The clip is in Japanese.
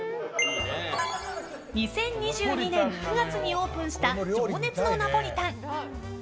２０２２年９月にオープンした情熱のナポリタン。